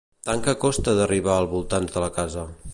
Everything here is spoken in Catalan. Tant que costa d'arribar als voltants de la casa.